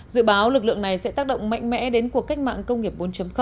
dự báo lực lượng này sẽ tác động mạnh mẽ đến cuộc cách mạng công nghiệp bốn